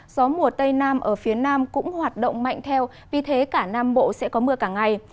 gió mùa tây nam ở phía nam cũng hoạt động mạnh theo vì thế cả nam bộ sẽ có mưa cả ngày